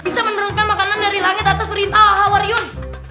bisa menerungkan makanan dari langit atas perintah hawariyun